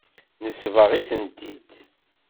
Nesbeɣ-itent-id.